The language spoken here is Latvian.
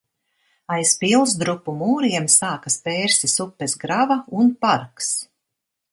Aiz pilsdrupu mūriem sākas Pērses upes grava un parks.